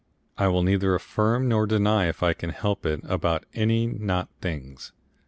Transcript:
I will neither affirm nor deny if I can help it about any not things.